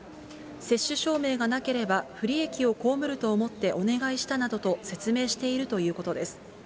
接種証明がなければ不利益を被ると思ってお願いしたなどと説明しているということです。